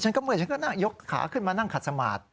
เมื่อยฉันก็นั่งยกขาขึ้นมานั่งขัดสมาธิ